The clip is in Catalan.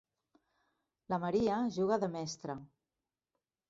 La Maria juga de mestra.